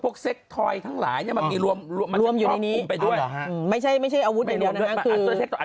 พวกเซตทอยทั้งหลายไม่ใช่อาวุธเดียวนะครับ